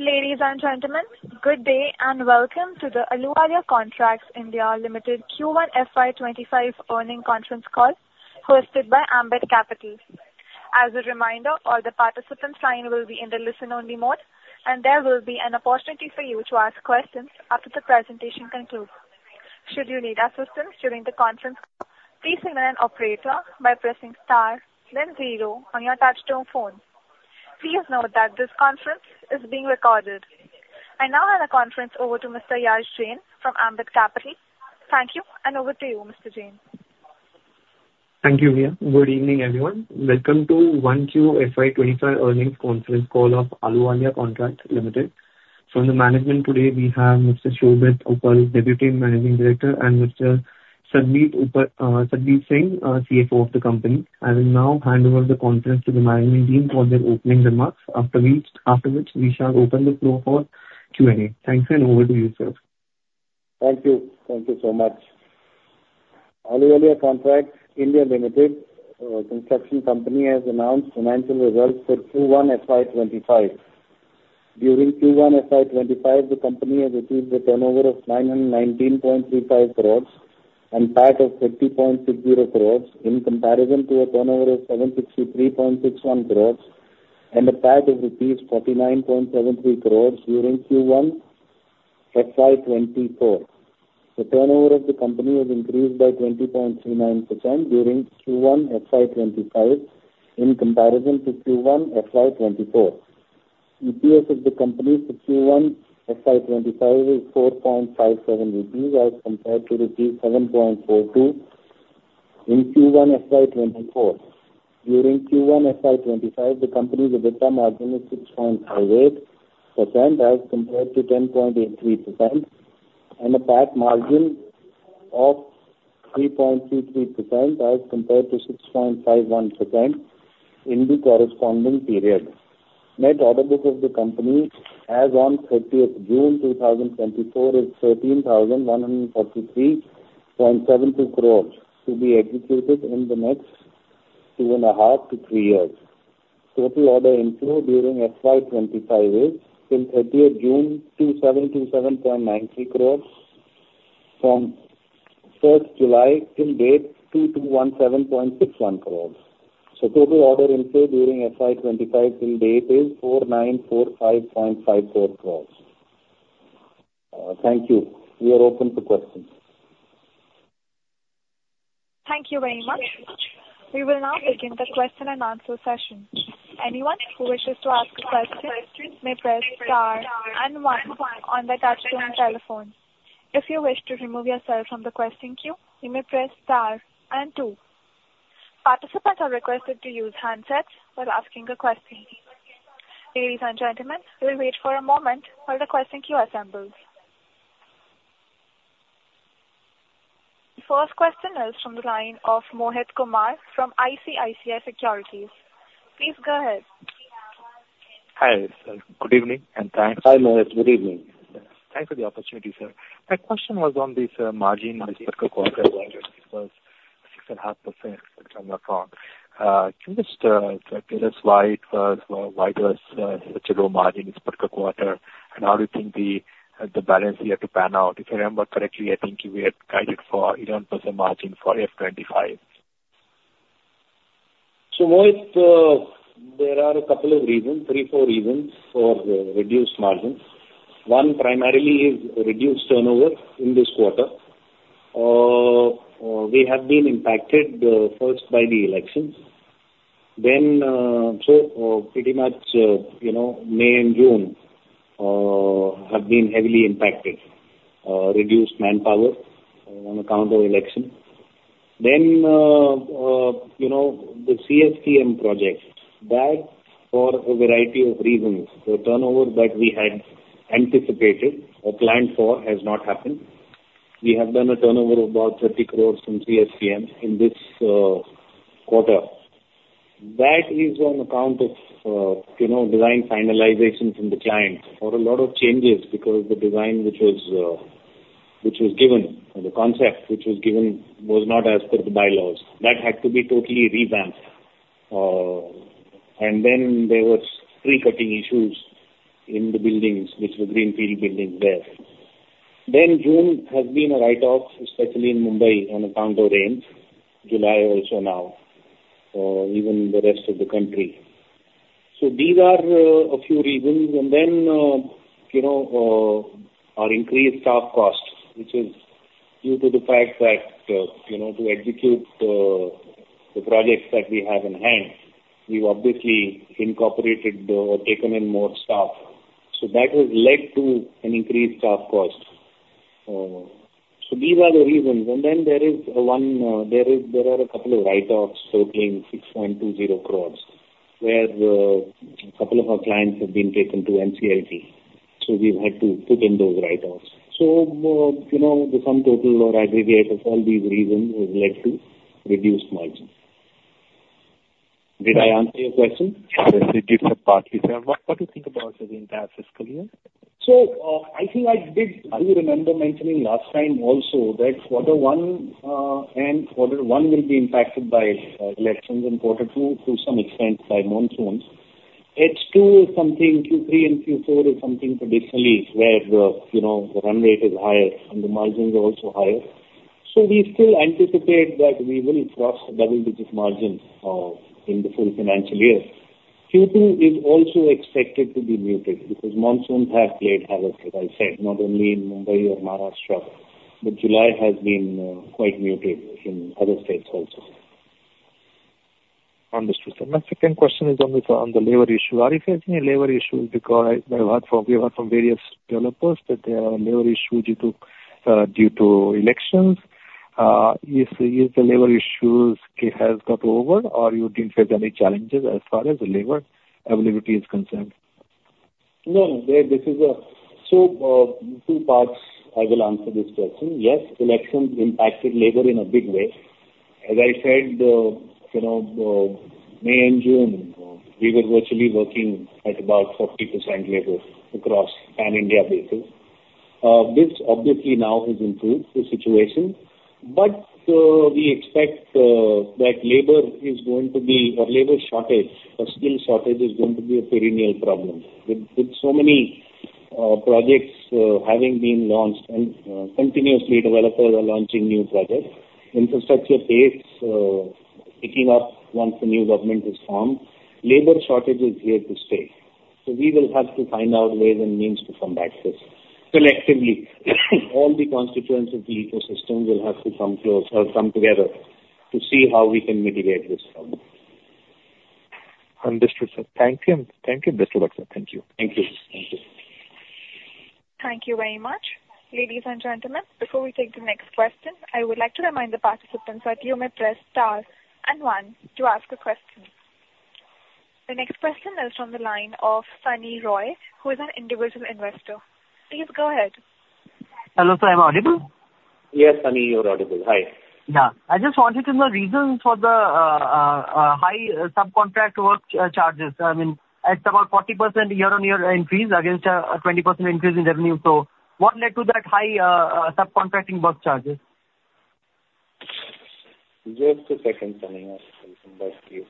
Ladies and gentlemen, good day and welcome to the Ahluwalia Contracts (India) Limited Q1 FY25 Earnings Conference Call, hosted by Ambit Capital. As a reminder, all the participants' time will be in the listen-only mode, and there will be an opportunity for you to ask questions after the presentation concludes. Should you need assistance during the conference, please signal an operator by pressing star, then zero on your touch-tone phone. Please note that this conference is being recorded. I now hand the conference over to Mr. Yash Jain from Ambit Capital. Thank you, and over to you, Mr. Jain. Thank you, Mia. Good evening, everyone. Welcome to 1Q FY25 Earnings Conference Call of Ahluwalia Contracts (India) Limited. From the management today, we have Mr. Shobhit Uppal, Deputy Managing Director, and Mr. Satbeer Singh, CFO of the company. I will now hand over the conference to the management team for their opening remarks, after which we shall open the floor for Q&A. Thank you, and over to you, sir. Thank you. Thank you so much. Ahluwalia Contracts (India) Limited construction company has announced financial results for Q1 FY25. During Q1 FY25, the company has achieved a turnover of 919.35 crores and a PAT of 50.60 crores in comparison to a turnover of 763.61 crores and a PAT of INR 49.73 crores during Q1 FY24. The turnover of the company has increased by 20.39% during Q1 FY25 in comparison to Q1 FY24. EPS of the company for Q1 FY25 is 4.57 rupees as compared to rupees 7.42 in Q1 FY24. During Q1 FY25, the company's EBITDA margin is 6.58% as compared to 10.83%, and a PAT margin of 3.33% as compared to 6.51% in the corresponding period. Net order book of the company as of 30 June 2024 is 13,143.72 crores to be executed in the next two and a half to three years. Total order inflow during FY25 is, till 30 June, INR 2727.93 crores from 1 July till date, INR 2217.61 crores. So, total order inflow during FY25 till date is INR 4945.54 crores. Thank you. We are open to questions. Thank you very much. We will now begin the question and answer session. Anyone who wishes to ask a question may press star and one on their touch-tone telephone. If you wish to remove yourself from the question queue, you may press star and two. Participants are requested to use handsets while asking a question. Ladies and gentlemen, we'll wait for a moment while the question queue assembles. The first question is from the line of Mohit Kumar from ICICI Securities. Please go ahead. Hi, sir. Good evening, and thanks. Hi, Mohit. Good evening. Thanks for the opportunity, sir. My question was on this margin, this quarter margin. It was 6.5%, if I'm not wrong. Can you just tell us why it was such a low margin this quarter, and how do you think the balance of the year to pan out? If I remember correctly, I think we were guided for 11% margin for F25. Mohit, there are a couple of reasons, three, four reasons for reduced margin. One, primarily, is reduced turnover in this quarter. We have been impacted first by the election. Then, so pretty much May and June have been heavily impacted, reduced manpower on account of election. Then, the CSMT project, that for a variety of reasons, the turnover that we had anticipated or planned for has not happened. We have done a turnover of about 30 crores from CSMT in this quarter. That is on account of design finalization from the client for a lot of changes because the design which was given, the concept which was given, was not as per the bylaws. That had to be totally revamped. And then there were tree-cutting issues in the buildings, which were greenfield buildings there. Then June has been a write-off, especially in Mumbai on account of rains. July also now, even the rest of the country. So these are a few reasons. And then our increased staff cost, which is due to the fact that to execute the projects that we have in hand, we've obviously incorporated or taken in more staff. So that has led to an increased staff cost. So these are the reasons. And then there are a couple of write-offs totaling 6.20 crores, where a couple of our clients have been taken to NCLT. So we've had to put in those write-offs. So the sum total or aggregate of all these reasons has led to reduced margin. Did I answer your question? Yes. Did you just partially say? What do you think about the entire fiscal year? I think I did remember mentioning last time also that quarter one and quarter two will be impacted by elections and quarter two, to some extent, by monsoons. H2 is something Q3 and Q4 is something traditionally where the run rate is higher and the margins are also higher. So we still anticipate that we will cross double-digit margins in the full financial year. Q2 is also expected to be muted because monsoons have played havoc, as I said, not only in Mumbai or Maharashtra, but July has been quite muted in other states also. Understood. And my second question is on the labour issue. Are you facing any labor issues because we heard from various developers that there are labor issues due to elections? Is the labor issue has got over, or you didn't face any challenges as far as the labor availability is concerned? No, no. This is a so two parts I will answer this question. Yes, elections impacted labor in a big way. As I said, May and June, we were virtually working at about 40% labor across pan-India basis. This obviously now has improved the situation, but we expect that labor is going to be or labor shortage, skill shortage is going to be a perennial problem. With so many projects having been launched and continuously developers are launching new projects, infrastructure takes picking up once the new government is formed, labor shortage is here to stay. So we will have to find out ways and means to combat this collectively. All the constituents of the ecosystem will have to come together to see how we can mitigate this problem. Understood, sir. Thank you. Thank you, Mr. Uppal. Thank you. Thank you. Thank you. Thank you very much. Ladies and gentlemen, before we take the next question, I would like to remind the participants that you may press star and one to ask a question. The next question is from the line of Sunny Roy, who is an individual investor. Please go ahead. Hello, sir. Am I audible? Yes, Sunny, you're audible. Hi. Yeah. I just wanted to know the reason for the high subcontract work charges. I mean, it's about 40% year-on-year increase against a 20% increase in revenue. So what led to that high subcontracting work charges? Just a second, Sunny. I'll come back to you.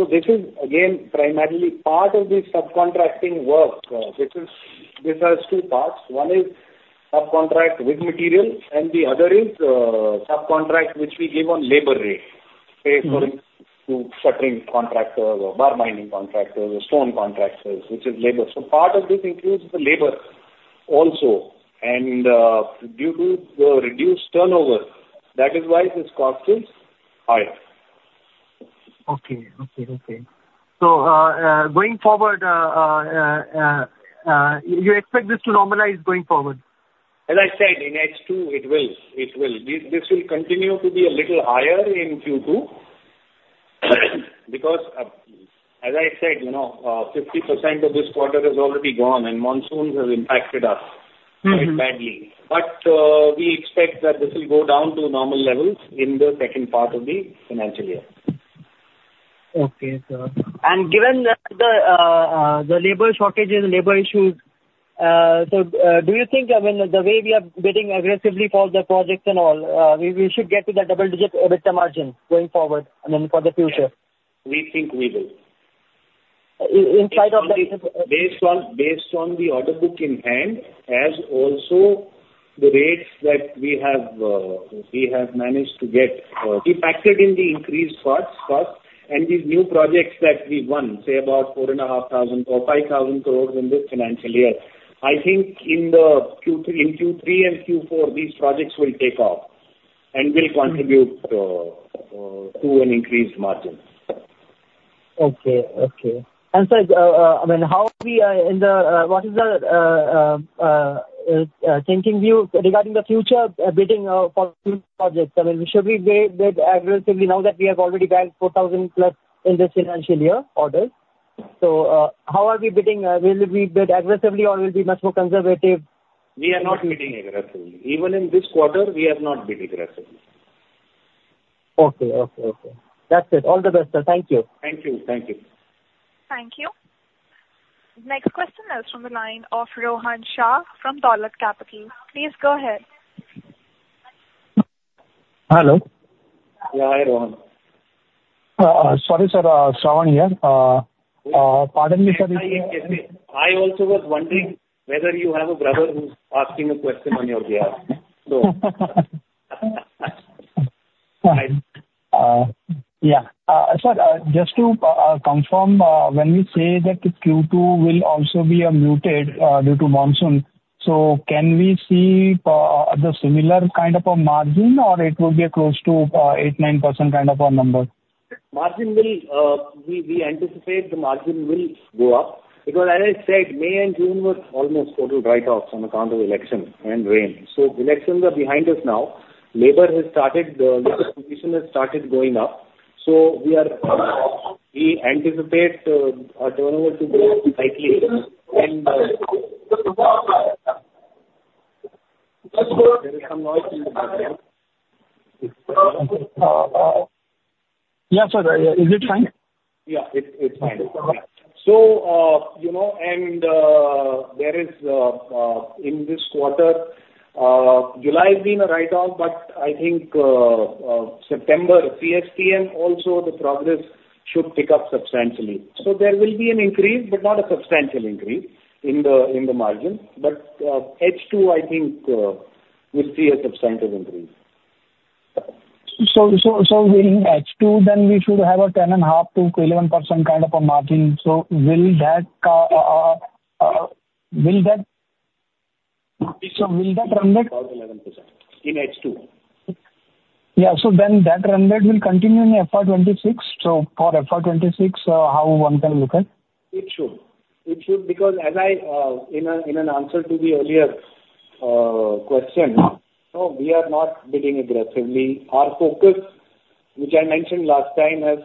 So this is, again, primarily part of the subcontracting work. This has two parts. One is subcontract with material, and the other is subcontract which we give on labor rate, say, for shuttering contractors, bar-bending contractors, stone contractors, which is labor. So part of this includes the labor also, and due to the reduced turnover, that is why these costs are higher. Okay. So going forward, you expect this to normalize going forward? As I said, in Q2, it will. It will. This will continue to be a little higher in Q2 because, as I said, 50% of this quarter has already gone, and monsoons have impacted us quite badly. But we expect that this will go down to normal levels in the second part of the financial year. Okay, sir. And given the labor shortages, labor issues, so do you think, I mean, the way we are bidding aggressively for the projects and all, we should get to that double-digit EBITDA margin going forward and then for the future? We think we will. In spite of that. Based on the order book in hand, as also the rates that we have managed to get, impacted in the increased costs and these new projects that we've won, say, about 4,500 or 5,000 crores in this financial year, I think in Q3 and Q4, these projects will take off and will contribute to an increased margin. And so, I mean, how we are in the what is the thinking view regarding the future bidding for new projects? I mean, should we bid aggressively now that we have already bagged 4,000-plus in this financial year orders? So how are we bidding? Will we bid aggressively, or will we be much more conservative? We are not bidding aggressively. Even in this quarter, we have not bid aggressively. Okay. That's it. All the best, sir. Thank you. Thank you. Thank you. Thank you. Next question is from the line of Shravan Shah from Dolat Capital. Please go ahead. Hello. Yeah. Hi, Rohan. Sorry, sir. Shravan here. Pardon me, sir. I also was wondering whether you have a brother who's asking a question on your behalf. So. Yeah. Sir, just to confirm, when we say that Q2 will also be muted due to monsoon, so can we see the similar kind of a margin, or it will be close to 8%-9% kind of a number? Margin-wise, we anticipate the margin will go up because, as I said, May and June were almost total write-offs on account of elections and rain. So elections are behind us now. Labor has started, the position has started going up. So we anticipate a turnover to go up slightly. And there is some noise in the background. Yeah, sir. Is it fine? Yeah. It's fine. Yeah. So, and there is, in this quarter, July has been a write-off, but I think September Chhatrapati Shivaji Maharaj Terminus, also the progress should pick up substantially. So there will be an increase, but not a substantial increase in the margin. But H2, I think, will see a substantial increase. So in Q2, then we should have a 10.5%-11% kind of a margin. So, will that run rate? About 11% in FY25. Yeah. So then that run rate will continue in FY26? So for FY26, how one can look at? It should. It should because, as I said in an answer to the earlier question, we are not bidding aggressively. Our focus, which I mentioned last time, has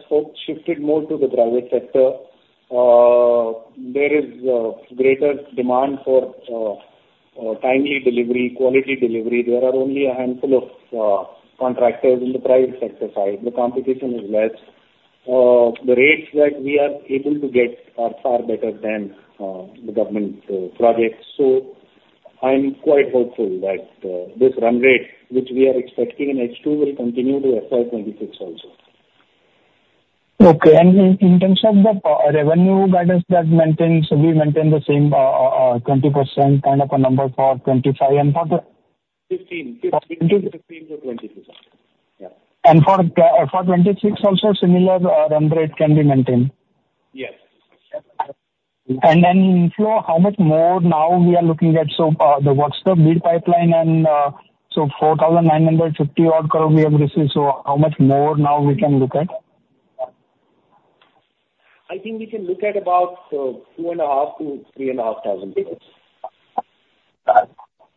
shifted more to the private sector. There is greater demand for timely delivery, quality delivery. There are only a handful of contractors in the private sector side. The competition is less. The rates that we are able to get are far better than the government projects. So I'm quite hopeful that this run rate, which we are expecting in FY25, will continue to FY26 also. Okay. And in terms of the revenue guidance that we maintain, so we maintain the same 20% kind of a number for 2025 and for the? 15. 15%-20%. Yeah. For FY26 also, similar run rate can be maintained? Yes. And then inflow, how much more now we are looking at? So the workshop bid pipeline and so 4,950 crore we have received. So how much more now we can look at? I think we can look at about 2,500-3,500.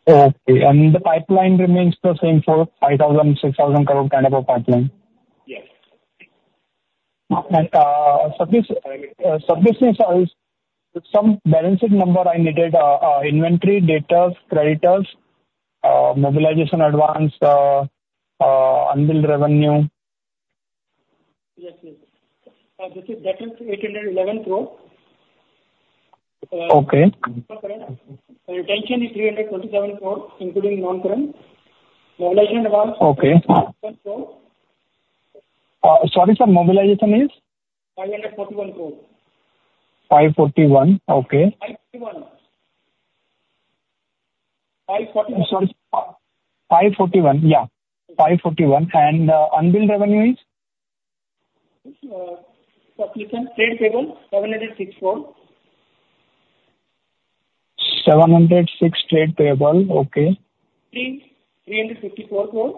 Okay. And the pipeline remains the same for 5,000-6,000 crore kind of a pipeline? Yes. This is some balancing number I needed: inventory data, creditors, mobilization advance, unbilled revenue. Yes. Yes. That is 811 crore. Okay. Retention is 327 crore, including non-current. Mobilization advance. Okay. ₹511 crore. Sorry, sir. Mobilization is? ₹541 crore. ₹541. Okay. ₹541. ₹541. Sorry. INR 541. Yeah. INR 541. And unbilled revenue is? ₹764. INR 706. Okay. ₹354 crore.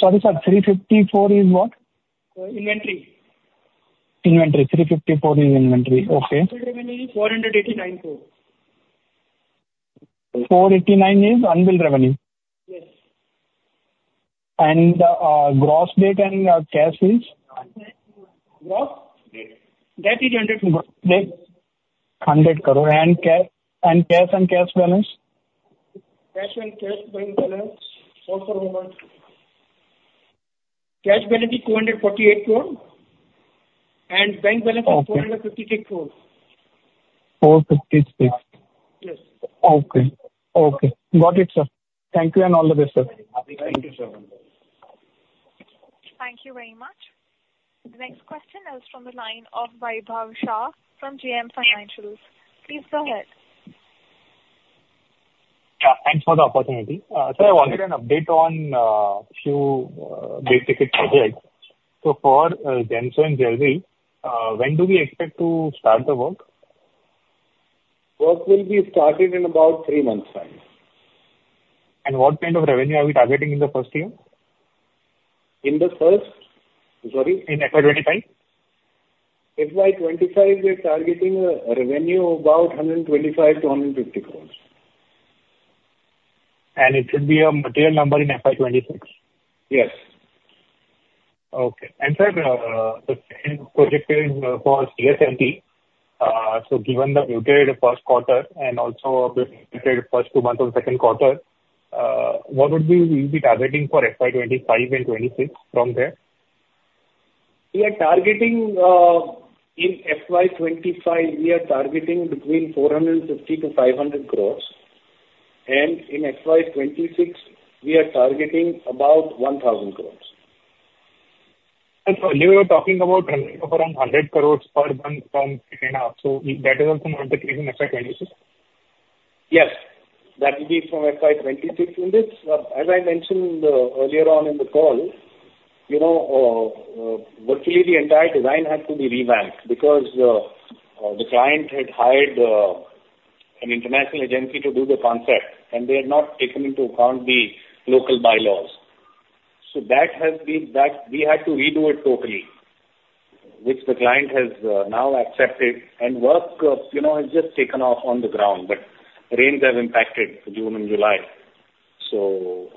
Sorry, sir. INR 354 is what? Inventory. Inventory. 354 is inventory. Okay. Unbilled Revenue is ₹489 crore. 489 is unbilled revenue? Yes. Gross debt and cash is? Gross? Yes. That is 100. 100 crore. And cash and cash balance? Cash and cash bank balance also INR 400. Cash balance is 248 crore? And bank balance is 456 crore? ₹456. Yes. Okay. Okay. Got it, sir. Thank you and all the best, sir. Thank you, sir. Thank you very much. The next question is from the line of Vaibhav Shah from JM Financial. Please go ahead. Yeah. Thanks for the opportunity. Sir, I wanted an update on a few basic details. So for India Jewellery Park Mumbai, when do we expect to start the work? Work will be started in about three months' time. What kind of revenue are we targeting in the first year? In the first? Sorry. In FY25? FY25, we're targeting a revenue of about 125-150 crore. It should be a material number in FY26? Yes. Okay. And sir, the second project is for Chhatrapati Shivaji Maharaj Terminus. So given the muted first quarter and also muted first two months of the second quarter, what would we be targeting for FY 2025 and 2026 from there? We are targeting in FY25 between 450 to 500 crores. In FY26, we are targeting about 1,000 crores. And sir, you were talking about run rate of around 100 crores per month from Kiran Nadar Museum of Art. So that is also not the case in FY26? Yes. That will be from FY26, and as I mentioned earlier on in the call, virtually the entire design had to be revamped because the client had hired an international agency to do the concept, and they had not taken into account the local bylaws. So that has meant that we had to redo it totally, which the client has now accepted, and work has just taken off on the ground, but rains have impacted June and July, so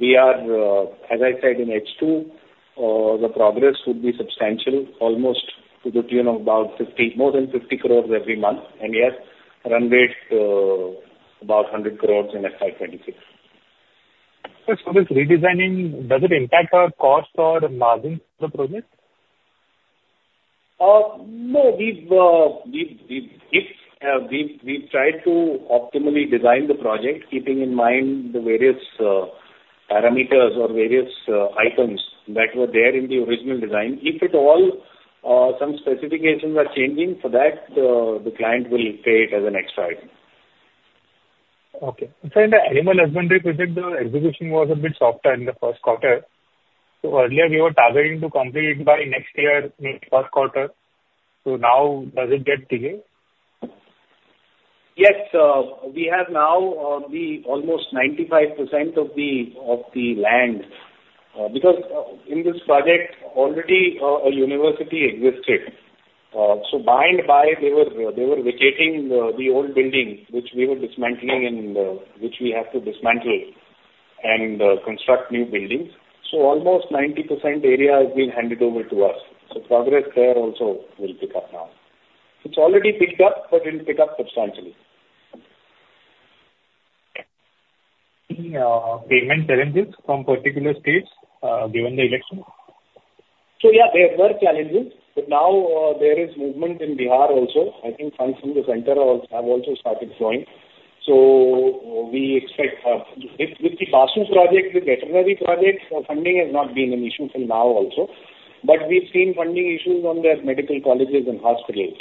we are, as I said, in H2, the progress would be substantial, almost to the tune of about more than 50 crores every month, and yes, run rate about 100 crores in FY26. So this redesigning, does it impact our cost or margin for the project? No. We've tried to optimally design the project, keeping in mind the various parameters or various items that were there in the original design. If at all, some specifications are changing, for that, the client will pay it as an extra item. Okay. And sir, in the animal husbandry project, the execution was a bit softer in the first quarter. So earlier, we were targeting to complete by next year in the first quarter. So now, does it get ticked? Yes. We have now almost 95% of the land because in this project, already a university existed. So by and by, they were vacating the old building, which we were dismantling, which we have to dismantle and construct new buildings. So almost 90% area has been handed over to us. So progress there also will pick up now. It's already picked up, but it will pick up substantially. Any payment challenges from particular states given the election? So yeah, there were challenges, but now there is movement in Bihar also. I think funds from the Centre have also started flowing. So we expect with the BASU project, with veterinary projects, funding has not been an issue till now also. But we've seen funding issues on the medical colleges and hospitals,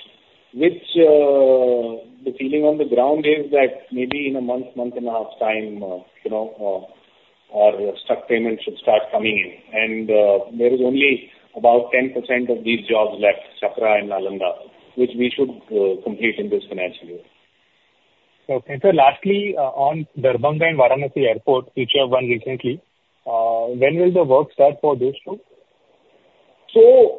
which the feeling on the ground is that maybe in a month, month and a half time, our stuck payments should start coming in, and there is only about 10% of these jobs left, Chhapra and Nalanda, which we should complete in this financial year. Okay. And sir, lastly, on Darbhanga and Varanasi Airport, which you have won recently, when will the work start for those two?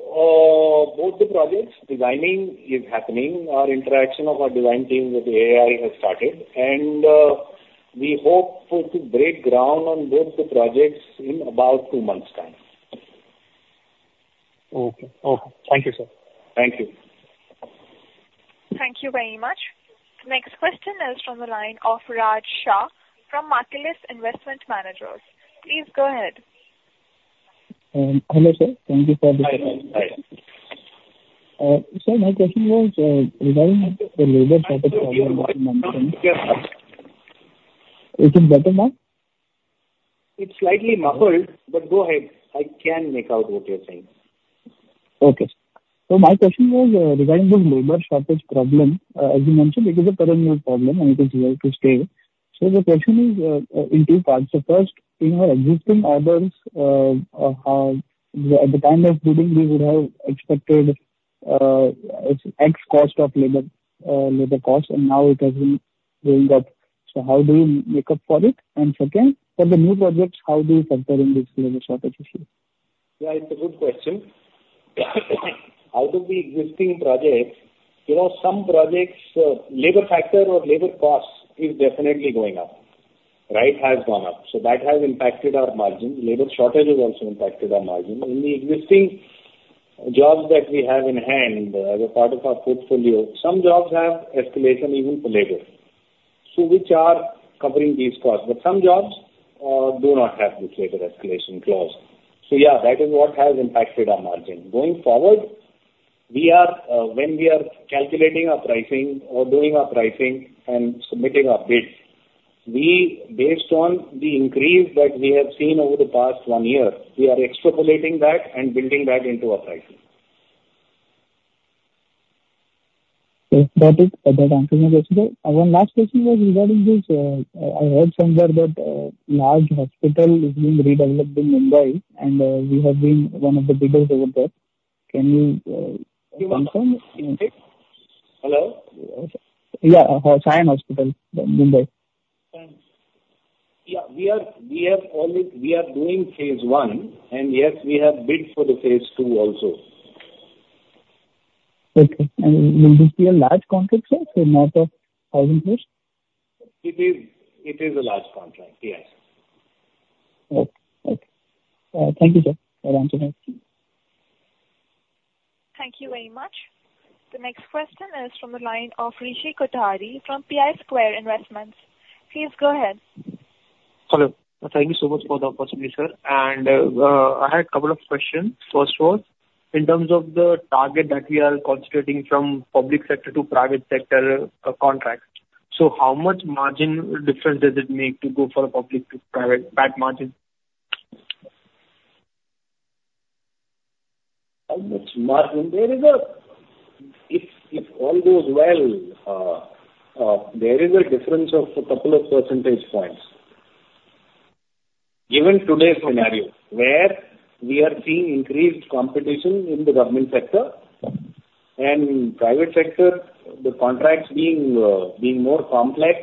Both the projects designing is happening. Our interaction of our design team with Airports Authority of India has started. We hope to break ground on both the projects in about two months' time. Okay. Okay. Thank you, sir. Thank you. Thank you very much. Next question is from the line of Raj Shah from Marcellus Investment Managers. Please go ahead. Hello, sir. Thank you for the question. Hi. Hi. Sir, my question was regarding the labor shortage problem that you mentioned. Is it better now? It's slightly muffled, but go ahead. I can make out what you're saying. Okay. So my question was regarding the labor shortage problem. As you mentioned, it is a perennial problem, and it is here to stay, so the question is in two parts, so first, in our existing orders, at the time of bidding, we would have expected X cost of labor cost, and now it has been going up, so how do you make up for it? And second, for the new projects, how do you factor in this labor shortage issue? Yeah. It's a good question. Out of the existing projects, some projects, labor factor or labor cost is definitely going up, right, has gone up. So that has impacted our margin. Labor shortage has also impacted our margin. In the existing jobs that we have in hand as a part of our portfolio, some jobs have escalation even for labor, so which are covering these costs. But some jobs do not have this labor escalation clause. So yeah, that is what has impacted our margin. Going forward, when we are calculating our pricing or doing our pricing and submitting our bid, based on the increase that we have seen over the past one year, we are extrapolating that and building that into our pricing. That answers my question. One last question was regarding this. I heard somewhere that a large hospital is being redeveloped in Mumbai, and we have been one of the bidders over there. Can you confirm? Hello? Yeah. Sion Hospital in Mumbai. Yeah. We have all we are doing phase one, and yes, we have bid for the phase two also. Okay. And will this be a large contract, sir? So north of 1,000? It is a large contract. Yes. Okay. Okay. Thank you, sir, for answering my question. Thank you very much. The next question is from the line of Rishi Kothari from Pi Square Investments. Please go ahead. Hello. Thank you so much for the opportunity, sir. And I had a couple of questions. First was, in terms of the target that we are considering from public sector to private sector contracts, so how much margin difference does it make to go for a public-to-private back margin? How much margin? There is, if all goes well, a difference of a couple of percentage points. Given today's scenario, where we are seeing increased competition in the government sector and private sector, the contracts being more complex,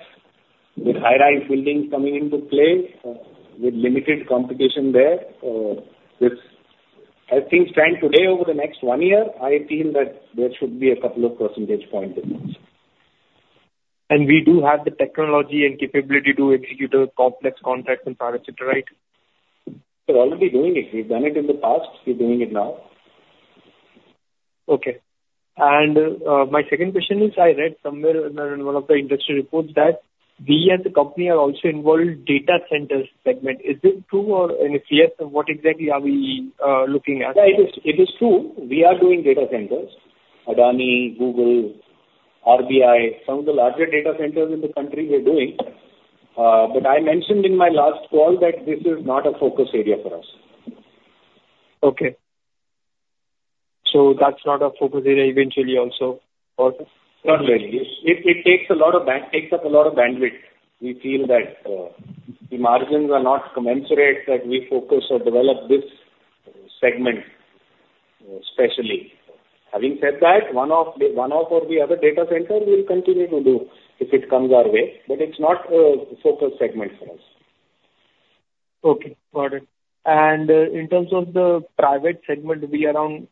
with high-rise buildings coming into play, with limited competition there, as things stand today, over the next one year, I feel that there should be a couple of percentage points difference. We do have the technology and capability to execute a complex contract in private sector, right? We're already doing it. We've done it in the past. We're doing it now. Okay. And my second question is, I read somewhere in one of the industry reports that we as a company are also involved in the Data Centre segment. Is it true? And if yes, what exactly are we looking at? Yeah. It is true. We are doing data centers: Adani, Google, RBI, some of the larger data centers in the country we're doing. But I mentioned in my last call that this is not a focus area for us. Okay. So that's not a focus area eventually also? Not really. It takes up a lot of bandwidth. We feel that the margins are not commensurate that we focus or develop this segment especially. Having said that, one or the other data centre will continue to do if it comes our way. But it's not a focus segment for us. Okay. Got it. And in terms of the private segment, we are on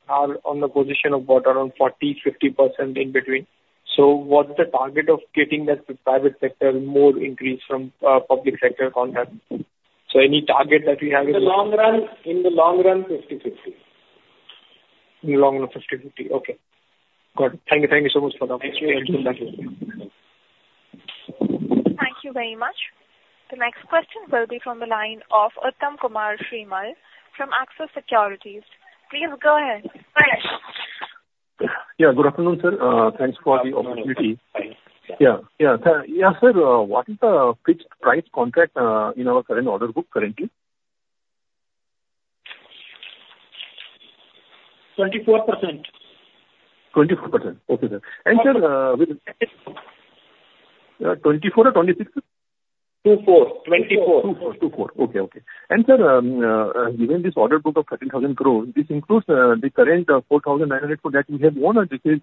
the position of about around 40%-50% in between. So what's the target of getting that private sector more increase from public sector contracts? So any target that we have in the? In the long run, 50/50. In the long run, 50/50. Okay. Got it. Thank you. Thank you so much for the opportunity. Thank you. Thank you very much. The next question will be from the line of Uttam Kumar Srimal from Axis Securities. Please go ahead. Good afternoon, sir. Thanks for the opportunity. Yeah, sir. What is the fixed price contract in our current order book currently? 24%. 24%. Okay, sir. And, sir, with 24 or 26? 24. 24. Okay. Sir, given this order book of 13,000 crore, this includes the current 4,900 crore that we have won, or this is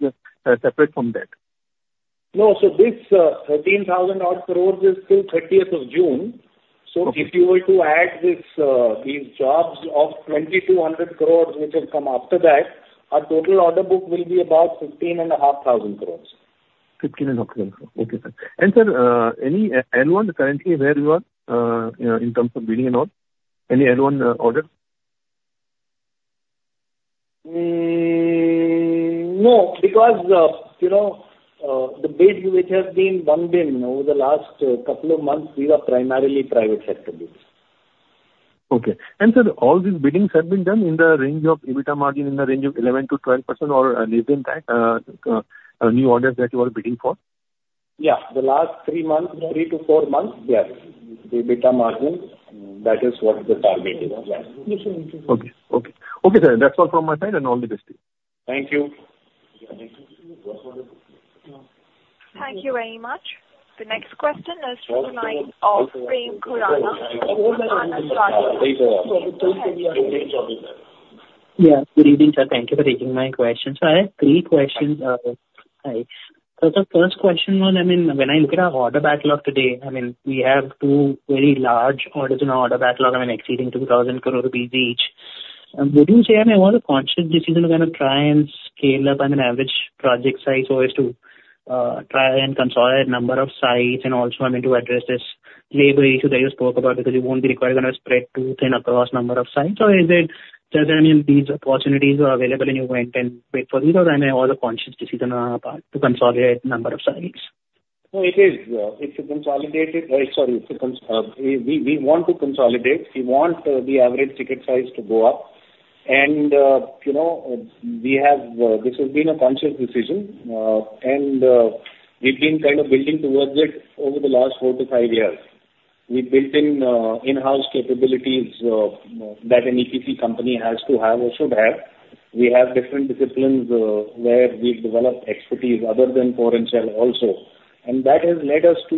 separate from that? No. So this ₹13,000 crore is till 30th of June. So if you were to add these jobs of ₹2,200 crore, which will come after that, our total order book will be about ₹15,500 crores. 15,500 crore. Okay, sir. And, sir, any L1 currently where you are in terms of bidding and all? Any L1 orders? No. Because the bids which have been won over the last couple of months, these are primarily private sector bids. Okay. And, sir, all these biddings have been done in the range of EBITDA margin, in the range of 11%-12% or less than that, new orders that you are bidding for? Yeah. The last three months, three to four months, yes. The EBITDA margin, that is what the target is. Yeah. Okay, sir. That's all from my side and all the best to you. Thank you. Thank you very much. The next question is from the line of. Yeah. Good evening, sir. Thank you for taking my question. So I have three questions. So the first question was, I mean, when I look at our order backlog today, I mean, we have two very large orders in our order backlog, I mean, exceeding 2,000 crore rupees each. Would you say I'm more of a conscious decision of going to try and scale up on an average project size or to try and consolidate a number of sites and also, I mean, to address this labor issue that you spoke about because you won't be required to kind of spread too thin across a number of sites? Or is it, sir, that I mean, these opportunities are available, and you went for these, or I'm more of a conscious decision to consolidate a number of sites? No, it is. It's consolidated, sorry, we want to consolidate. We want the average ticket size to go up. And this has been a conscious decision, and we've been kind of building towards it over the last four to five years. We've built in-house capabilities that an EPC company has to have or should have. We have different disciplines where we've developed expertise other than core and shell also. And that has led us to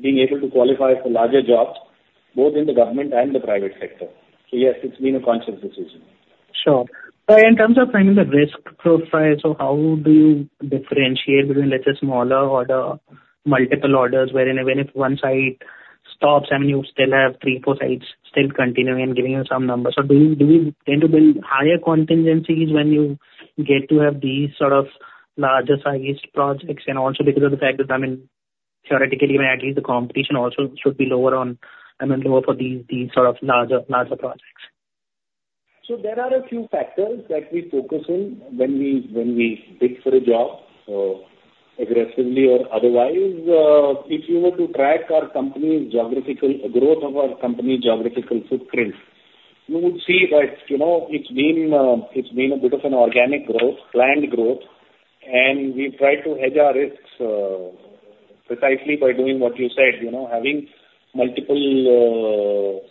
being able to qualify for larger jobs, both in the government and the private sector. So yes, it's been a conscious decision. Sure. So in terms of, I mean, the risk profile, so how do you differentiate between, let's say, smaller order, multiple orders, wherein if one site stops, I mean, you still have three, four sites still continuing and giving you some numbers? Or do you tend to build higher contingencies when you get to have these sort of larger-sized projects? And also because of the fact that, I mean, theoretically, I mean, at least the competition also should be lower on, I mean, lower for these sort of larger projects. There are a few factors that we focus on when we bid for a job aggressively or otherwise. If you were to track our company's growth of our company's geographical footprint, you would see that it's been a bit of an organic growth, planned growth. And we've tried to hedge our risks precisely by doing what you said, having multiple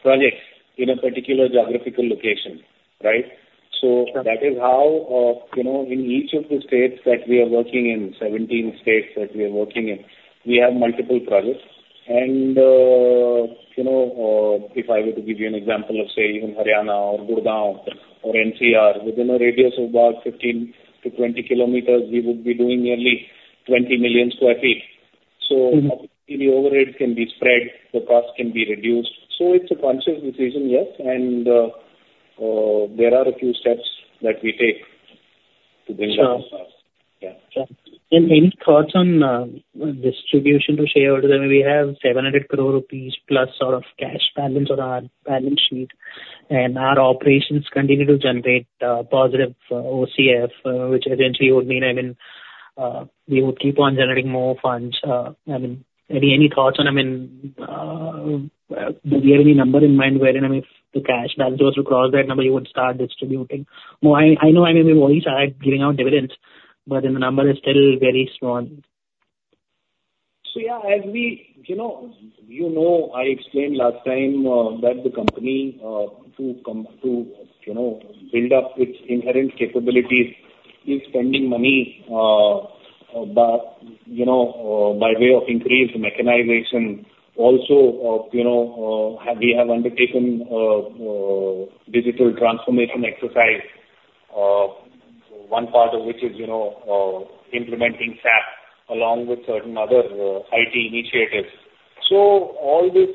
projects in a particular geographical location, right? So that is how, in each of the states that we are working in, 17 states that we are working in, we have multiple projects. And if I were to give you an example of, say, even Haryana or Gurugram or NCR, within a radius of about 15-20 km, we would be doing nearly 20 million sq ft. So obviously, the overhead can be spread. The cost can be reduced. So it's a conscious decision, yes. There are a few steps that we take to bring that to pass. Yeah. Sure. Sure. And any thoughts on distribution to share? I mean, we have 700 crore rupees plus sort of cash balance on our balance sheet, and our operations continue to generate positive OCF, which essentially would mean, I mean, we would keep on generating more funds. I mean, any thoughts on, I mean, do we have any number in mind where, I mean, if the cash balance was to cross that number, you would start distributing? I know, I mean, we've always had giving out dividends, but then the number is still very small. Yeah, as you know, I explained last time that the company, to build up its inherent capabilities, we're spending money by way of increased mechanization. Also, we have undertaken digital transformation exercise, one part of which is implementing SAP along with certain other IT initiatives. So all this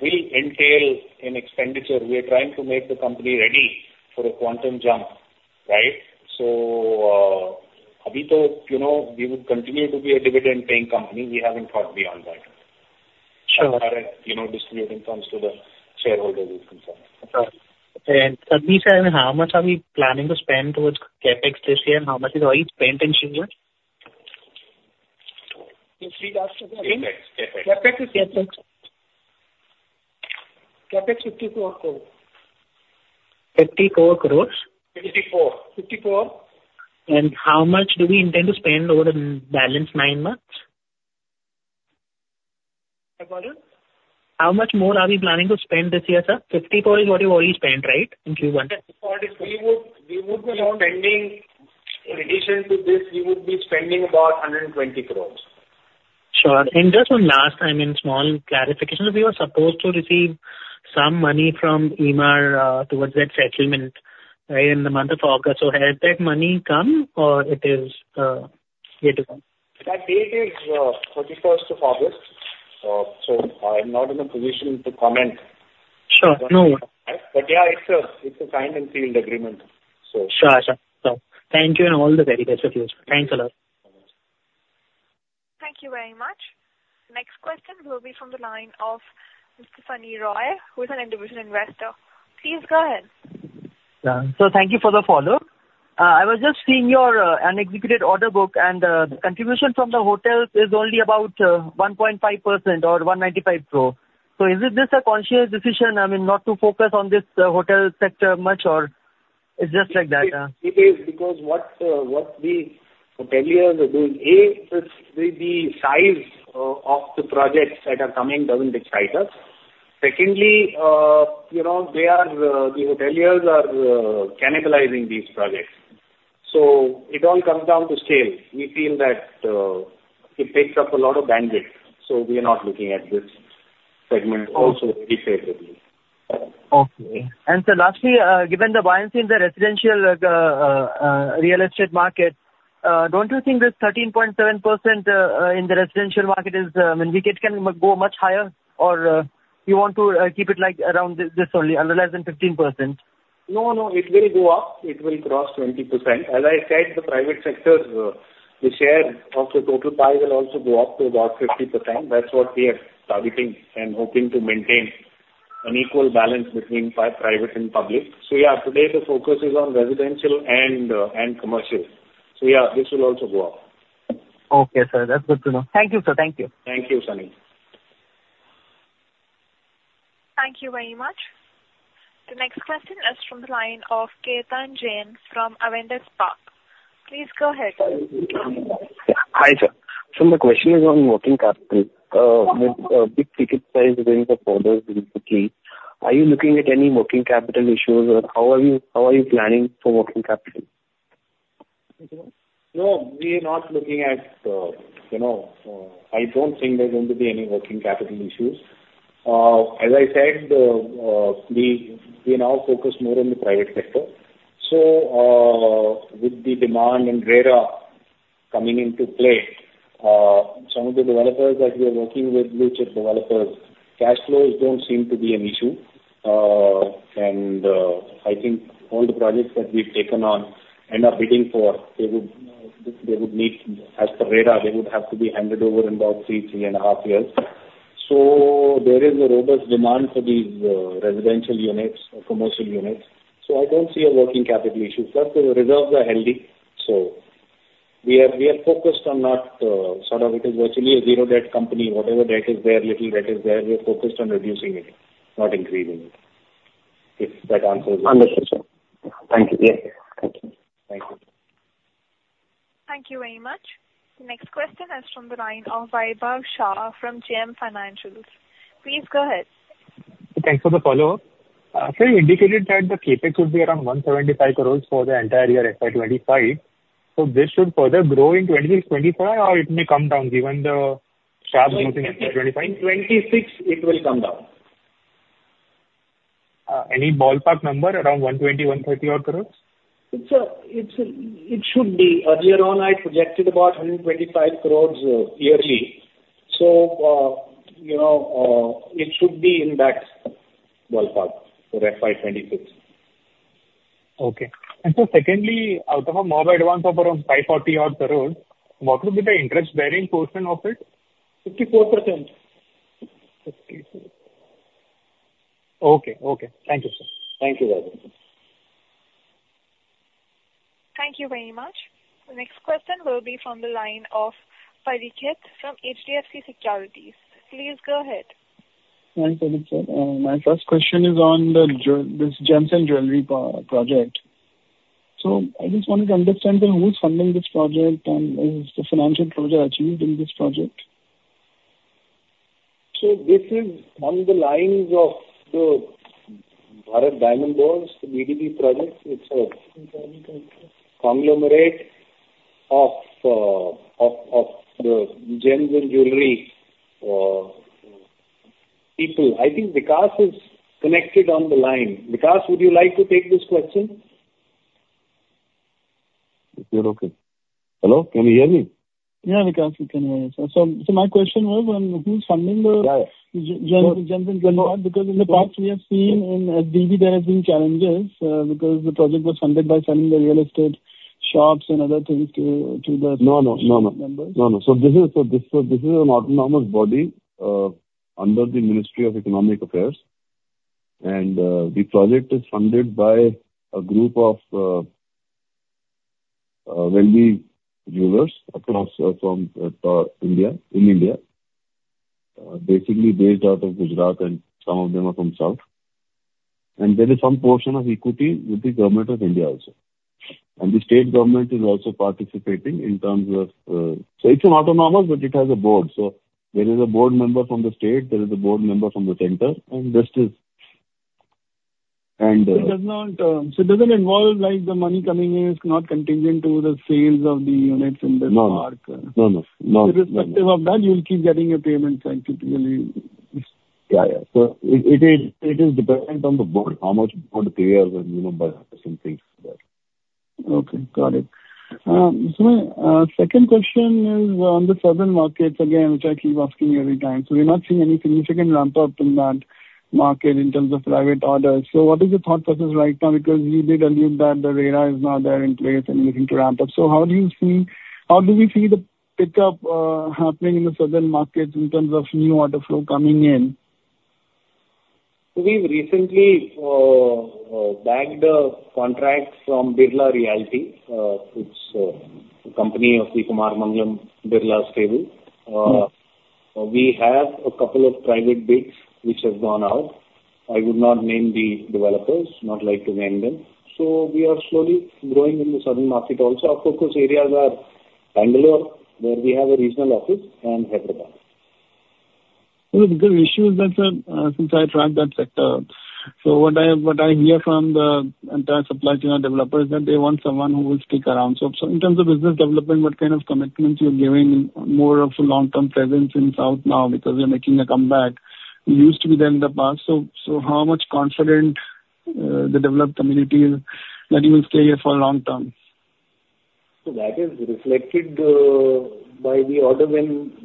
will entail an expenditure. We are trying to make the company ready for a quantum jump, right? So albeit, we would continue to be a dividend-paying company. We haven't got beyond that. Sure. Direct distribution comes to the shareholders in this context. Sir, how much are we planning to spend towards CapEx this year? And how much is already spent and shared? CapEx. CapEx. CapEx. CapEx. CapEx INR 54 crore. 54 crores? 54. FY24? And how much do we intend to spend over the balance nine months? I'm sorry? How much more are we planning to spend this year, sir? 54 is what you've already spent, right? In Q1. We would be now spending in addition to this, we would be spending about 120 crores. Sure. And just one last, I mean, small clarification. We were supposed to receive some money from Emaar towards that settlement in the month of August. So has that money come, or it is yet to come? That date is 21st of August. So I'm not in a position to comment. Sure. No. But yeah, it's a signed and sealed agreement, so. Sure. Sure. So thank you and all the very best of yours. Thanks a lot. Thank you very much. Next question will be from the line of Mr. Sunny Roy, who is an individual investor. Please go ahead. Thank you for the follow-up. I was just seeing your unexecuted order book, and the contribution from the hotel is only about 1.5% or 195 crore. Is this a conscious decision, I mean, not to focus on this hotel sector much, or it's just like that? It is because what the hoteliers are doing, A, the size of the projects that are coming doesn't excite us. Secondly, the hoteliers are cannibalizing these projects. So it all comes down to scale. We feel that it takes up a lot of bandwidth. So we are not looking at this segment also very favorably. Okay. And so lastly, given the buoyancy in the residential real estate market, don't you think this 13.7% in the residential market is, I mean, it can go much higher, or you want to keep it around this only, under less than 15%? No, no. It will go up. It will cross 20%. As I said, the private sector, the share of the total pie will also go up to about 50%. That's what we are targeting and hoping to maintain an equal balance between private and public. So yeah, today the focus is on residential and commercial. So yeah, this will also go up. Okay, sir. That's good to know. Thank you, sir. Thank you. Thank you, Sunny. Thank you very much. The next question is from the line of Kiran Jain from Abakkus Asset Manager. Please go ahead. Hi, sir. So my question is on working capital. With big ticket size going for foreigners in the UK, are you looking at any working capital issues, or how are you planning for working capital? No, we are not looking at it. I don't think there's going to be any working capital issues. As I said, we now focus more on the private sector. So with the demand and RERA coming into play, some of the developers that we are working with, blue-chip developers, cash flows don't seem to be an issue. And I think all the projects that we've taken on and are bidding for, they would need, as per RERA, they would have to be handed over in about three, three and a half years. So there is a robust demand for these residential units or commercial units. So I don't see a working capital issue. Plus, the reserves are healthy. So we are focused on not sort of it is virtually a zero-debt company. Whatever debt is there, little debt is there, we're focused on reducing it, not increasing it. If that answers your question. Understood, sir. Thank you. Yeah. Thank you. Thank you. Thank you very much. The next question is from the line of Vaibhav Shah from JM Financial. Please go ahead. Thanks for the follow-up. Sir indicated that the CapEx would be around 175 crores for the entire year FY 2025. So this should further grow in 2025, or it may come down given the sharp growth in FY 2025? In 2026, it will come down. Any ballpark number around 120-130 crores? It should be. Earlier on, I projected about 125 crores yearly. So it should be in that ballpark for FY 26. Okay. And so secondly, out of a mobilization advance of around 540 crores, what would be the interest-bearing portion of it? 54%. Okay. Okay. Thank you, sir. Thank you very much. Thank you very much. The next question will be from the line of Parikshit from HDFC Securities. Please go ahead. Hi, Parikshit. My first question is on this gems and jewellery project. So I just wanted to understand, sir, who's funding this project, and is the financial closure achieved in this project? So this is on the lines of the Bharat Diamond Bourse, the BDB project. It's a conglomerate of the gems and jewelry people. I think Vikas is connected on the line. Vikas, would you like to take this question? You're okay. Hello? Can you hear me? Yeah, Vikas, we can hear you. So my question was, who's funding the gems and jewellery? Because in the past, we have seen in BDB, there have been challenges because the project was funded by selling the real estate shops and other things to the members. No, no. So this is an autonomous body under the Ministry of Economic Affairs. And the project is funded by a group of wealthy jewelers across India in India, basically based out of Gujarat, and some of them are from South. And there is some portion of equity with the government of India also. And the state government is also participating in terms of. So it's an autonomous, but it has a board. So there is a board member from the state. There is a board member from the center, and this is. So, it doesn't involve the money coming in is not contingent to the sales of the units in the park? No, no, no. So irrespective of that, you'll keep getting your payment, right? Yeah, yeah. So it is dependent on the board, how much board approves and some things there. Okay. Got it. So my second question is on the Southern markets again, which I keep asking you every time. So we're not seeing any significant ramp-up in that market in terms of private orders. So what is the thought process right now? Because you did allude that the RERA is now there in place and looking to ramp up. So how do we see the pickup happening in the Southern markets in terms of new order flow coming in? We've recently bagged a contract from Birla Estates, which is a company of the Kumar Mangalam Birla stable. We have a couple of private bids which have gone out. I would not name the developers. Not like to name them. So we are slowly growing in the southern market also. Our focus areas are Bengaluru, where we have a regional office, and Hyderabad. So the issue is that, sir, since I track that sector. So what I hear from the entire supply chain of developers is that they want someone who will stick around. So in terms of business development, what kind of commitments you're giving more of a long-term presence in South now because you're making a comeback? You used to be there in the past. So how much confident the developed community is that you will stay here for long term? That is reflected by the order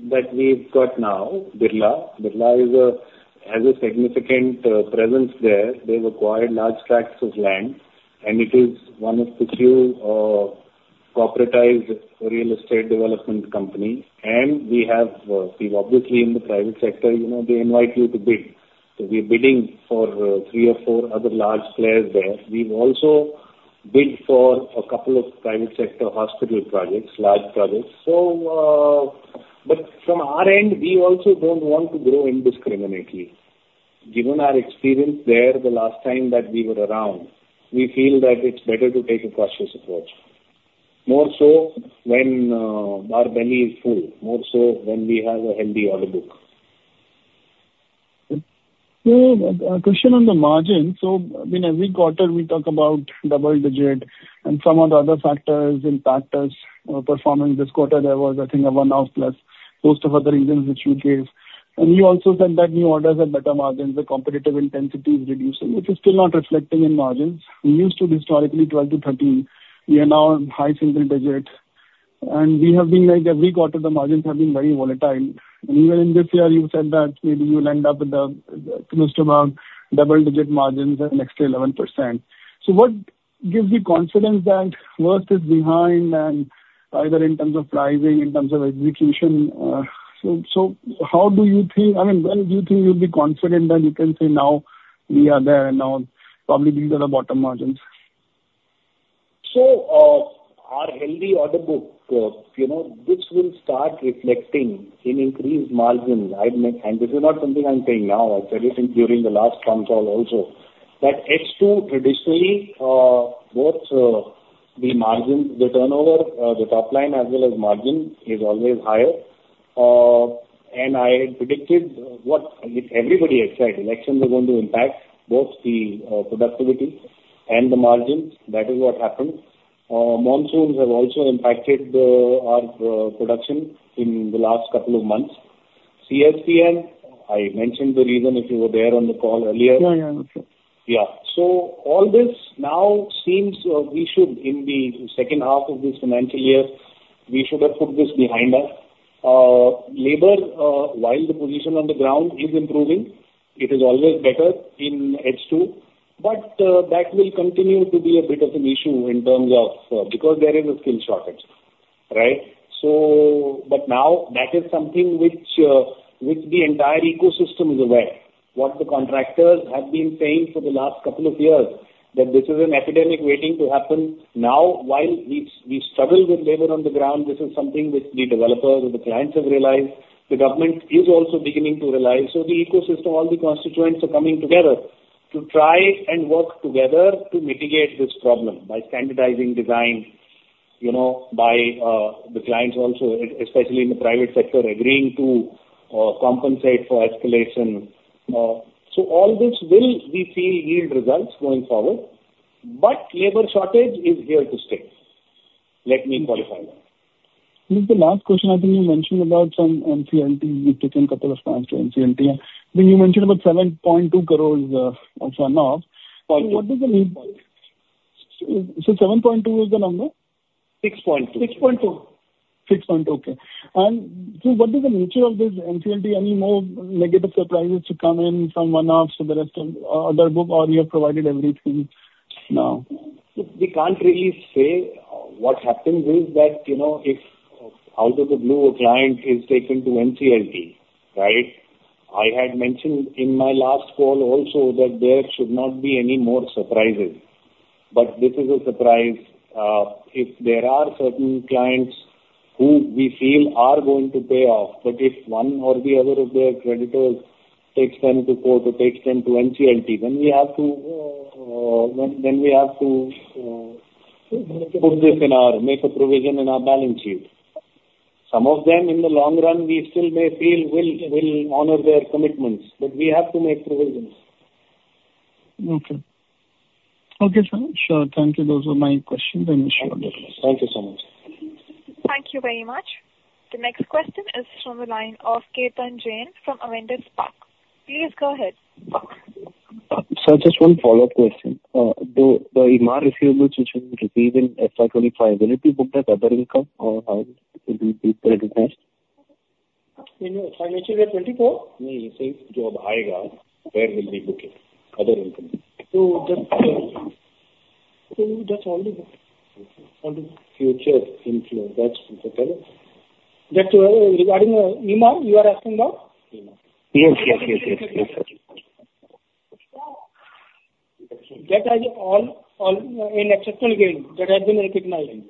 that we've got now, Birla. Birla has a significant presence there. They've acquired large tracts of land, and it is one of the few corporatized real estate development companies. And we have, obviously, in the private sector, they invite you to bid. So we're bidding for three or four other large players there. We've also bid for a couple of private sector hospital projects, large projects. But from our end, we also don't want to grow indiscriminately. Given our experience there the last time that we were around, we feel that it's better to take a cautious approach. More so when our belly is full, more so when we have a healthy order book. A question on the margin. I mean, every quarter, we talk about double-digit margins and some of the other factors impact us. Performance this quarter, there was, I think, a one-off plus most of other reasons which you gave. You also said that new orders have better margins. The competitive intensity is reducing, which is still not reflecting in margins. We used to be historically 12%-13%. We are now high single-digit. We have been like every quarter, the margins have been very volatile. Even in this year, you said that maybe you'll end up with close to about double-digit margins and next to 11%. What gives you confidence that worst is behind and either in terms of pricing, in terms of execution? So how do you think, I mean, when do you think you'll be confident that you can say, "Now, we are there, and now probably these are the bottom margins"? Our healthy order book, this will start reflecting in increased margins. And this is not something I'm saying now. I've said it during the last concall also. That H2 traditionally, both the margins, the turnover, the top line, as well as margin is always higher. And I had predicted what everybody had said, elections are going to impact both the productivity and the margins. That is what happened. Monsoons have also impacted our production in the last couple of months. CSMT, I mentioned the reason if you were there on the call earlier. No, no, no. That's it. Yeah, so all this now seems we should, in the second half of this financial year, we should have put this behind us. Labor, while the position on the ground is improving, it is always better in H2, but that will continue to be a bit of an issue in terms of because there is a skill shortage, right, but now that is something which the entire ecosystem is aware. What the contractors have been saying for the last couple of years, that this is an epidemic waiting to happen now. While we struggle with labor on the ground, this is something which the developers and the clients have realized. The government is also beginning to realize. So the ecosystem, all the constituents are coming together to try and work together to mitigate this problem by standardizing design, by the clients also, especially in the private sector, agreeing to compensate for escalation. So all this will, we feel, yield results going forward. But labor shortage is here to stay. Let me qualify that. This is the last question. I think you mentioned about some NCLT. We've taken a couple of clients to NCLT. I think you mentioned about 7.2 crores of run-off. What does that mean? So 7.2 is the number? 6.2. Okay. And so what is the nature of this NCLT? Any more negative surprises to come in from one-offs or the rest of the order book? Or you have provided everything now? We can't really say. What happens is that if out of the blue, a client is taken to NCLT, right? I had mentioned in my last call also that there should not be any more surprises. But this is a surprise. If there are certain clients who we feel are going to pay off, but if one or the other of their creditors takes them to court, takes them to NCLT, then we have to put this in our make a provision in our balance sheet. Some of them, in the long run, we still may feel will honor their commitments. But we have to make provisions. Okay. Okay, sir. Sure. Thank you. Those were my questions. I missed you. Thank you so much. Thank you very much. The next question is from the line of Kiran Jain from Abakkus Asset Manager. Please go ahead. Sir, just one follow-up question. The Emaar India receivables which we receive in FY 25, will it be booked as other income or how will it be recognized? Financial Year 2024? No, you say. JDA, where will be booked as other income? That's only booked. Future income. That's for telling. That's regarding the Emaar India you are asking about? Emaar. Yes, yes, yes, yes. That has all in exceptional gains. That has been recognized.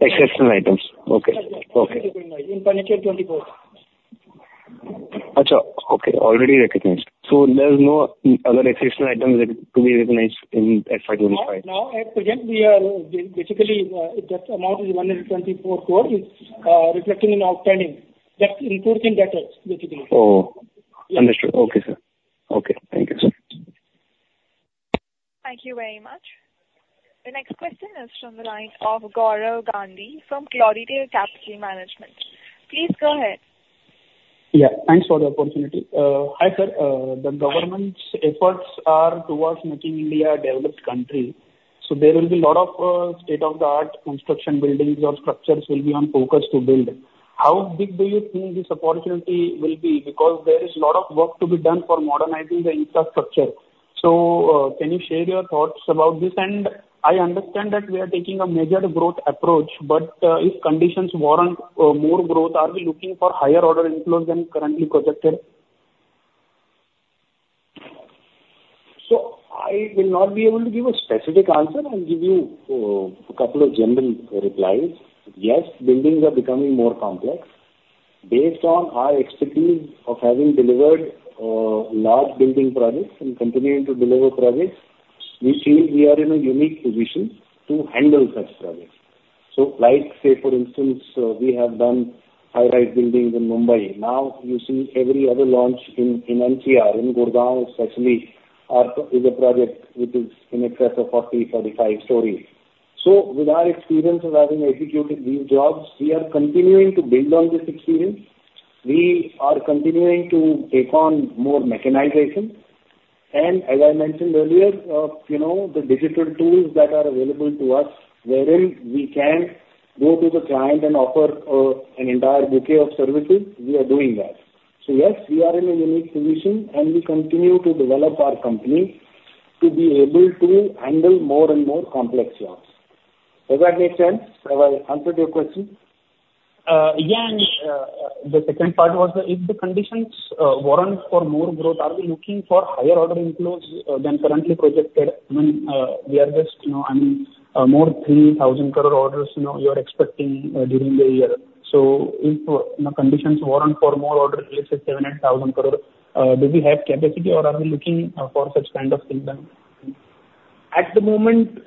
Exceptional items. Okay. That has been recognized in Financial Year 2024. Ajar, okay. Already recognized. So there's no other exceptional items to be recognized in FY 25? Right now, at present, we are basically that amount is 124 crores reflecting in outstanding. That's included in that tax, basically. Oh. Understood. Okay, sir. Okay. Thank you, sir. Thank you very much. The next question is from the line of Gaurav Gandhi from Glorytail Capital Management. Please go ahead. Yeah. Thanks for the opportunity. Hi, sir. The government's efforts are towards making India a developed country. So there will be a lot of state-of-the-art construction buildings or structures will be on focus to build. How big do you think this opportunity will be? Because there is a lot of work to be done for modernizing the infrastructure. So can you share your thoughts about this? And I understand that we are taking a measured growth approach, but if conditions warrant more growth, are we looking for higher order inflows than currently projected? I will not be able to give a specific answer. I'll give you a couple of general replies. Yes, buildings are becoming more complex. Based on our expertise of having delivered large building projects and continuing to deliver projects, we feel we are in a unique position to handle such projects. So say, for instance, we have done high-rise buildings in Mumbai. Now you see every other launch in NCR, in Gurugram especially, is a project which is in excess of 40-45 stories. So with our experience of having executed these jobs, we are continuing to build on this experience. We are continuing to take on more mechanization. And as I mentioned earlier, the digital tools that are available to us, wherein we can go to the client and offer an entire bouquet of services, we are doing that. So yes, we are in a unique position, and we continue to develop our company to be able to handle more and more complex jobs. Does that make sense? Have I answered your question? Yeah. And the second part was, if the conditions warrant for more growth, are we looking for higher order inflows than currently projected? I mean, we are just, I mean, more 3,000 crore orders you are expecting during the year. So if the conditions warrant for more orders, let's say 7,000, 8,000 crore, do we have capacity, or are we looking for such kind of things then? At the moment,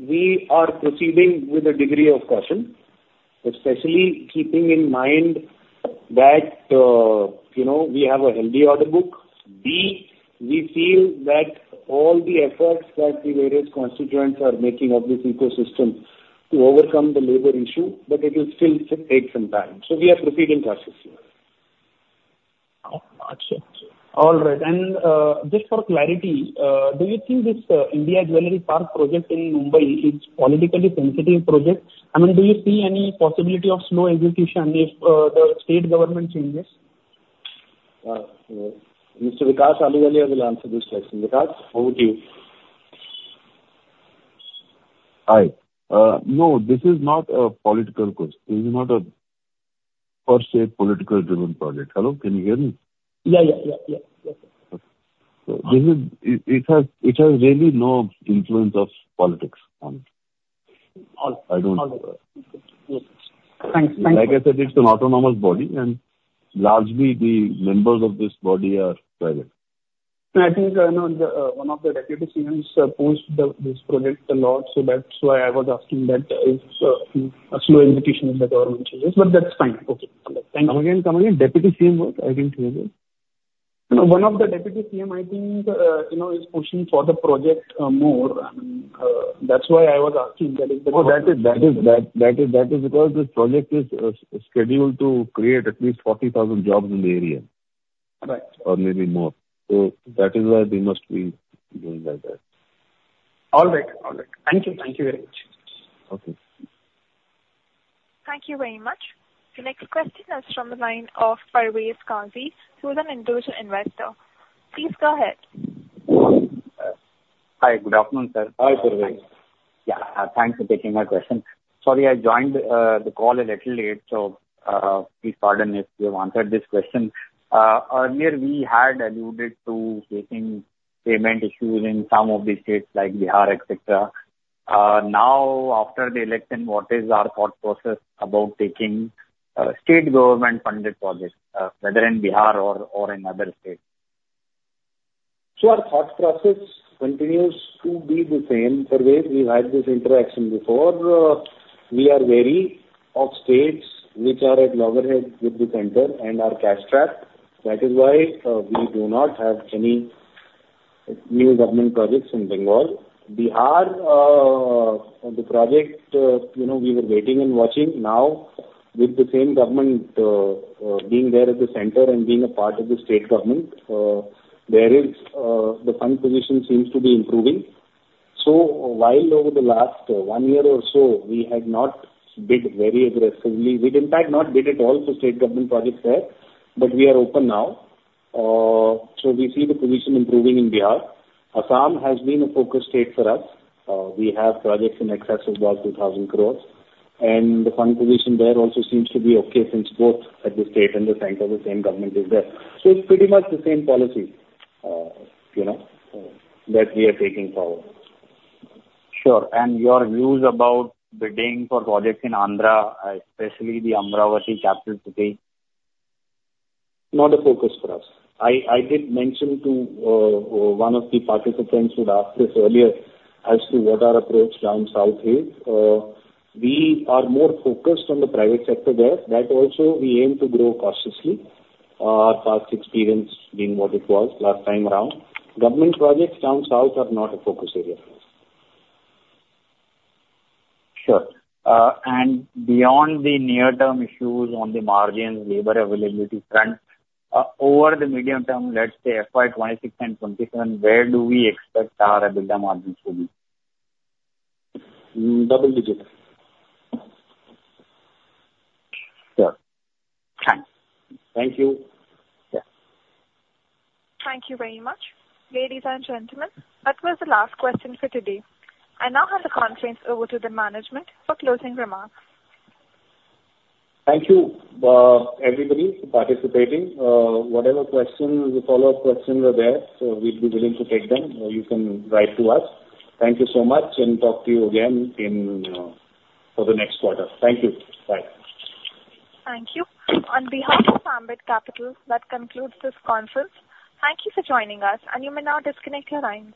we are proceeding with a degree of caution, especially keeping in mind that we have a healthy order book. We feel that all the efforts that the various constituents are making of this ecosystem to overcome the labor issue, but it will still take some time, so we are proceeding cautiously. Gotcha. All right. And just for clarity, do you think this India Jewellery Park project in Mumbai is a politically sensitive project? I mean, do you see any possibility of slow execution if the state government changes? Mr. Vikas Ahluwalia will answer this question. Vikas, over to you. Hi. No, this is not a political question. This is not a per se politically driven project. Hello? Can you hear me? Yeah, yeah, yeah, yeah. It has really no influence of politics on it. All right. I don't know. Thanks. Thanks. Like I said, it's an autonomous body, and largely the members of this body are private. I think one of the deputy CMs pushed this project a lot, so that's why I was asking that if a slow execution of the government changes. But that's fine. Okay. Thank you. Come again, come again. Deputy CM was? I didn't hear you. One of the deputy CM, I think, is pushing for the project more. I mean, that's why I was asking that if the government. Oh, that is because this project is scheduled to create at least 40,000 jobs in the area or maybe more. So that is why they must be doing like that. All right. All right. Thank you. Thank you very much. Okay. Thank you very much. The next question is from the line of Parvez Gandhi, who is an individual investor. Please go ahead. Hi. Good afternoon, sir. Hi, Parvez. Yeah. Thanks for taking my question. Sorry, I joined the call a little late, so please pardon if you've answered this question. Earlier, we had alluded to facing payment issues in some of the states like Bihar, etc. Now, after the election, what is our thought process about taking state government-funded projects, whether in Bihar or in other states? Our thought process continues to be the same. Parvez, we've had this interaction before. We are wary of states which are at loggerheads with the center and are cash-strapped. That is why we do not have any new government projects in Bengal. Bihar, the project we were waiting and watching. Now, with the same government being there at the center and being a part of the state government, the fund position seems to be improving. So while over the last one year or so, we had not bid very aggressively. We did, in fact, not bid at all for state government projects there, but we are open now. So we see the position improving in Bihar. Assam has been a focus state for us. We have projects in excess of about 2,000 crores. And the fund position there also seems to be okay, since both at the state and the center of the same government is there. So it's pretty much the same policy that we are taking forward. Sure. And your views about bidding for projects in Andhra, especially the Amaravati Capital City? Not a focus for us. I did mention to one of the participants who'd asked this earlier as to what our approach down south is. We are more focused on the private sector there. That also, we aim to grow cautiously. Our past experience being what it was last time around. Government projects down south are not a focus area. Sure. And beyond the near-term issues on the margins, labor availability front, over the medium term, let's say FY 2026 and 2027, where do we expect our EBITDA margins to be? Double digit. Sure. Thanks. Thank you. Yeah. Thank you very much, ladies and gentlemen. That was the last question for today. I now hand the conference over to the management for closing remarks. Thank you, everybody, for participating. Whatever questions, the follow-up questions are there, so we'd be willing to take them. You can write to us. Thank you so much, and talk to you again for the next quarter. Thank you. Bye. Thank you. On behalf of Ambit Capital, that concludes this conference. Thank you for joining us, and you may now disconnect your lines.